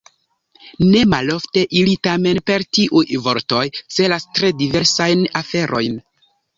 Nemalofte ili tamen per tiuj vortoj celas tre diversajn aferojn.